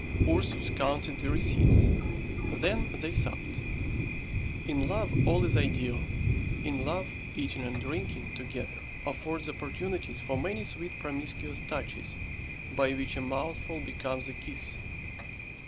Ursus counted the receipts, then they supped. In love all is ideal. In love, eating and drinking together affords opportunities for many sweet promiscuous touches, by which a mouthful becomes a kiss.